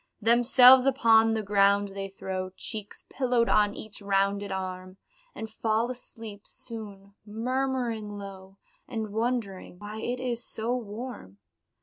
Themselves upon the ground they throw, Cheeks pillowed on each rounded arm And fall asleep soon, murmuring low, And wondering "why it is so warm?"